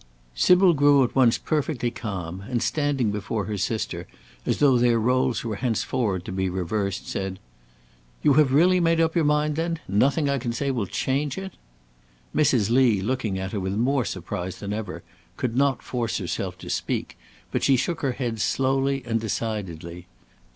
Sybil grew at once perfectly calm, and standing before her sister, as though their rôles were henceforward to be reversed, said: "You have really made up your mind, then? Nothing I can say will change it?" Mrs. Lee, looking at her with more surprise than ever, could not force herself to speak; but she shook her head slowly and decidedly.